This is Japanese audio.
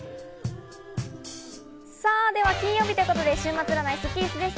さぁ、では金曜日ということで週末占いスッキりすです。